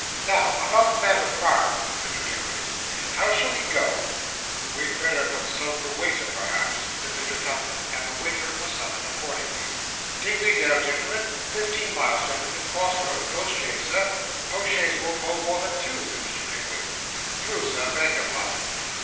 'Now, about Manor Farm,' said Mr. Pickwick. 'How shall we go?' 'We had better consult the waiter, perhaps,' said Mr. Tupman; and the waiter was summoned accordingly. 'Dingley Dell, gentlemen fifteen miles, gentlemen cross road post chaise, sir?' 'Post chaise won't hold more than two,' said Mr. Pickwick. 'True, sir beg your pardon, sir.